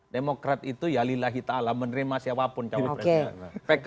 demokrat itu ya lillahi ta'ala menerima siapapun cawapresnya